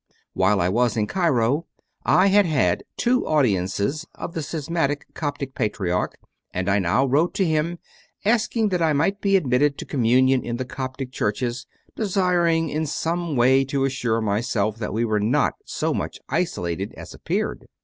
While in Cairo I had had two audiences of the schismatic Coptic Patriarch, and I now wrote to him, asking that I might be admitted to communion in the Coptic churches, desiring in some way to assure myself that we were not so much isolated as ap peared.